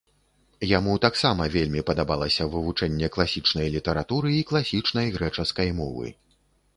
Яму таксама вельмі падабалася вывучэнне класічнай літаратуры і класічнай грэчаскай мовы.